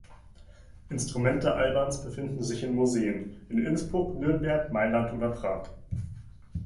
Instrumente Albans befinden sich in Museen, in Innsbruck, Nürnberg, Mailand oder Prag.